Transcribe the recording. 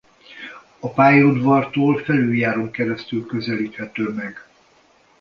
A pályaudvartól felüljárón keresztül közelíthető meg.